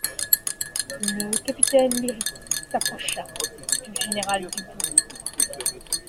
Le capitaine Lyrisse s'approcha du général Dubourg.